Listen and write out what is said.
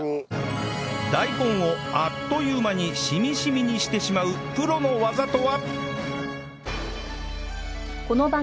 大根をあっという間にしみしみにしてしまうプロの技とは？